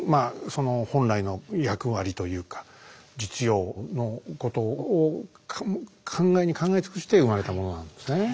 その本来の役割というか実用のことを考えに考え尽くして生まれたものなんですね。